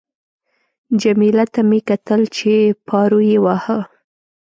جميله ته مې کتل چې پارو یې واهه.